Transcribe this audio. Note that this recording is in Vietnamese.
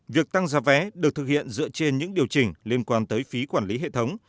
việc tăng giá vé được thực hiện dựa trên những điều chỉnh liên quan tới phí quản lý hệ thống